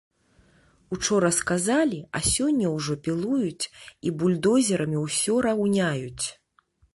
Учора сказалі, а сёння ўжо пілуюць і бульдозерамі ўсё раўняюць!